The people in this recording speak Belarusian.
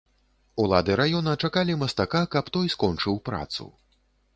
Улады раёна чакалі мастака, каб той скончыў працу.